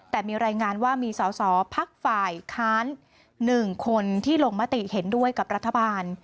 แต่มีรายงานว่ามีสอสอพักฝ่ายค้าน๑คนที่ลงมติเห็นด้วยกับรัฐบาล